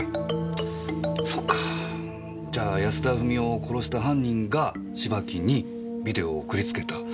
そっかじゃあ安田富美代を殺した犯人が芝木にビデオを送りつけた。